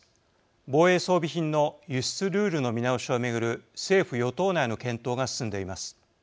防衛装備品の輸出ルールの見直しを巡る政府・与党内の検討が進んでいます。